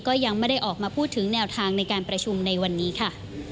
ก็ยังไม่ได้ออกมาพูดถึงแนวทางในการประชุมในวันนี้ค่ะ